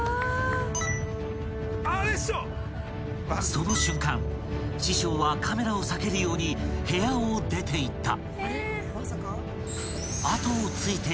［その瞬間師匠はカメラを避けるように部屋を出ていった］